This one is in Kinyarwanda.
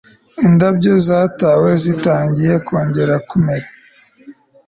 Indabyo zatawe zitangiye kongera kumera